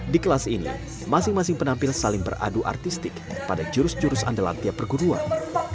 di kelas ini masing masing penampil saling beradu artistik pada jurus jurus andalan tiap perguruan